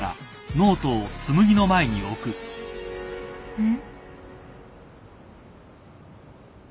うん？